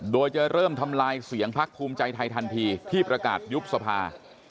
โดยจะเริ่มทำลายเสียงพักภูมิใจไทยทันทีที่ประกาศยุบสภา